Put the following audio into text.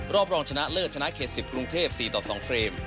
รองชนะเลิศชนะเขต๑๐กรุงเทพ๔ต่อ๒เฟรม